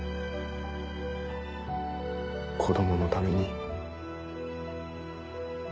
子供のために。